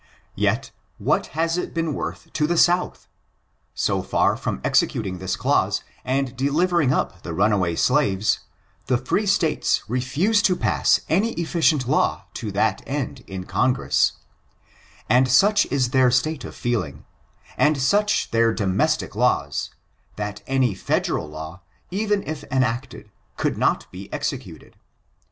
Yet what has it been woith to the South ? So far from executing this clause, and ' delivering up ' the runaway slaves, the free States refuse to pass any efficient law to that end in Congress ; and such is their state of feeling, and such their domestic laws, that any federal law, even if enacted, could not be executed.